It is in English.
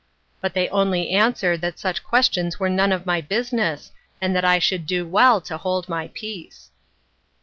'" But they only answered that such questions were none of my business, and that I should do well to hold my peace.